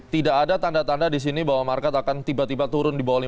tidak ada tanda tanda di sini bahwa market akan tiba tiba turun di bawah lima